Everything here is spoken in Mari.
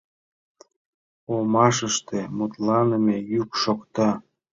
Омашыште мутланыме йӱк шокта.